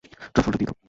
ট্রাফলটা দিয়ে দাও।